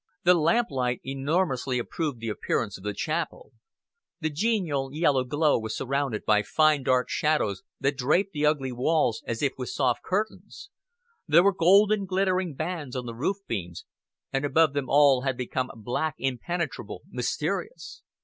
The lamplight enormously improved the appearance of the chapel; the genial yellow glow was surrounded by fine dark shadows that draped the ugly walls as if with soft curtains; there were golden glittering bands on the roof beams, and above them all had become black, impenetrable, mysterious.